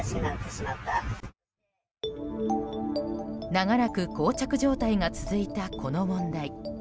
長らく膠着状態が続いたこの問題。